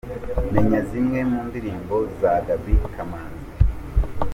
Menya zimwe mu ndirimbo za Gaby Kamanzi.